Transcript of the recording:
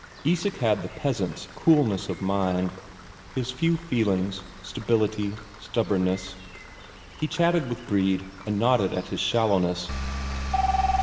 Isak had the peasant's coolness of mind, his few feelings, stability, stubbornness; he chatted with Brede and nodded at his shallowness.